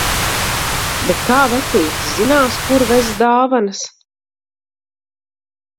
Bet kā vecītis zinās, kur vest dāvanas?